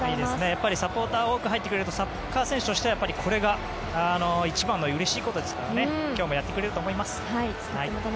やっぱりサポーターが多く入ってくれるとサッカー選手としてはこれが一番うれしいことですから今日もやってくれると思います。